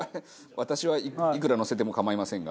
私はいくらのせても構いませんが。